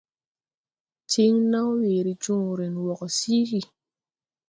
Tiŋ naw weere jõõren wɔ gɔ siigi.